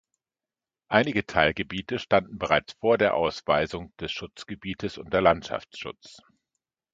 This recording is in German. Einige Teilgebiete standen bereits vor der Ausweisung des Schutzgebiets unter Landschaftsschutz.